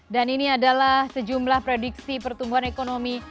dan ini adalah sejumlah prediksi pertumbuhan ekonomi